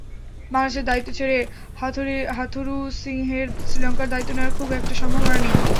বাংলাদেশের দায়িত্ব ছেড়ে হাথুরুসিংহের শ্রীলঙ্কার দায়িত্ব নেওয়ার খুব একটা সম্ভাবনা নেই।